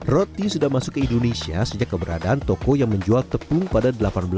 roti sudah masuk ke indonesia sejak keberadaan toko yang menjual tepung pada seribu delapan ratus tujuh puluh